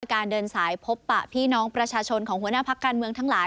การเดินสายพบปะพี่น้องประชาชนของหัวหน้าพักการเมืองทั้งหลาย